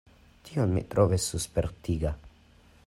Tion mi trovis suspektiga.